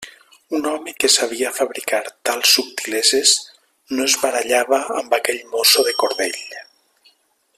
Un home que sabia fabricar tals subtileses no es barallava amb aquell mosso de cordell.